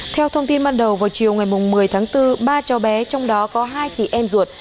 theo thông tin ban đầu vào chiều ngày một mươi tháng bốn ba cháu bé trong đó có hai chị em ruột